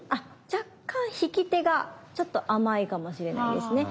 若干引き手がちょっと甘いかもしれないですね。